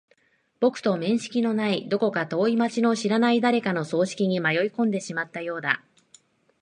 僕と面識のない、どこか遠い街の知らない誰かの葬式に迷い込んでしまったようだ。